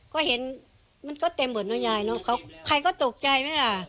ก็เห็นมันก็เต็มหมดเนอะยายเนอะเขาใครก็ตกใจไหมล่ะ